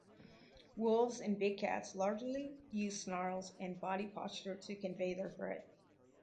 Wolves and big cats largely use snarls and body posture to convey their threat.